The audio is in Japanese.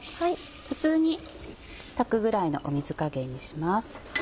普通に炊くぐらいの水加減にします。